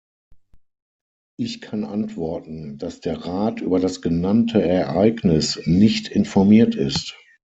Ich kann antworten, dass der Rat über das genannte Ereignis nicht informiert ist.